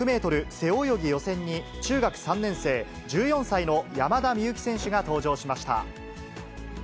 背泳ぎ予選に、中学３年生、１４歳の山田美幸選手が登場しました。